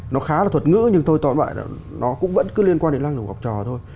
nó khá là thuật ngữ nhưng thôi toàn bại là nó cũng vẫn cứ liên quan đến năng lực của học trò thôi